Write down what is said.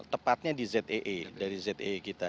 tepatnya di zee dari zee kita